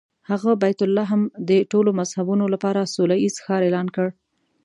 هغه بیت لحم د ټولو مذهبونو لپاره سوله ییز ښار اعلان کړ.